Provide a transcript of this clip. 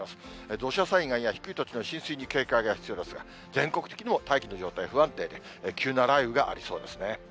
土砂災害や低い土地の浸水に警戒が必要ですが、全国的にも大気の状態、不安定で、急な雷雨がありそうですね。